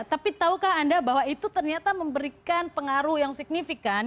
tapi tahukah anda bahwa itu ternyata memberikan pengaruh yang signifikan